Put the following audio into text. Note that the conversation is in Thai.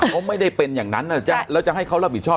เขาไม่ได้เป็นอย่างนั้นแล้วจะให้เขารับผิดชอบ